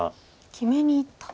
決めにいった。